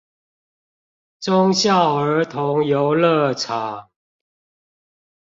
忠孝兒童遊樂場